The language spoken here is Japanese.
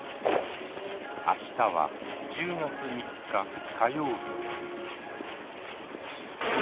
明日は１０月３日火曜日です。